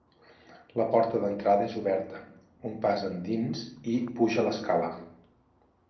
La porta d'entrada és oberta; un pas endins i puge l'escala.